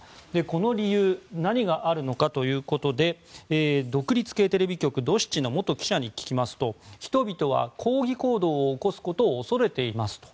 この理由何があるのかということで独立系テレビ局ドシチの記者に聞きますと、人々は抗議行動を起こすことを恐れていますと。